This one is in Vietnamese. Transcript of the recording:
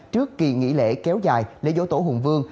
trước kỳ nghỉ lễ kéo dài lễ dỗ tổ hùng vương